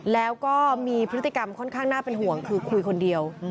แล้วก็มีพฤติกรรมค่อนข้างน่าเป็นห่วงคือคุยคนเดียว